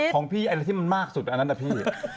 ของพี่อะไรที่มันมากสุดอันนั้นนะพี่